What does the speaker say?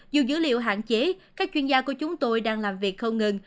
dù dữ liệu hạn chế các chuyên gia của chúng tôi đang làm việc không ngừng